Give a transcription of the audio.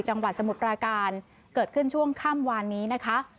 จังหวัดสมุปราการเกิดขึ้นช่วงข้ามวานนี้นะคะ